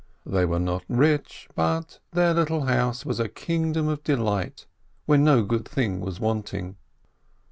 They were not rich, but their little house was a kingdom of delight, where no good thing was wanting.